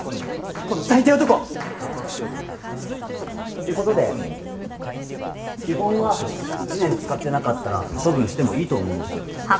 てことで基本は１年使ってなかったら処分してもいいと思うんですよ。